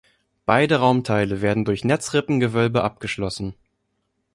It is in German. Beide Raumteile werden durch Netzrippengewölbe abgeschlossen.